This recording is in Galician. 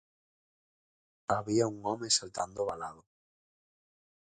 Había un home saltando o valado.